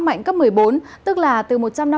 mạnh cấp một mươi bốn tức là từ một trăm năm mươi